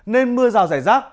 nên mưa rào rải rác